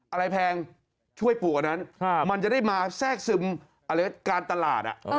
แพงช่วยปลูกอันนั้นมันจะได้มาแทรกซึมการตลาด